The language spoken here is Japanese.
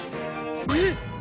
えっ！？